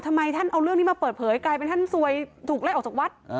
ทำไมท่านเอาเรื่องนี้มาเปิดเผยกลายเป็นท่านซวยถูกไล่ออกจากวัด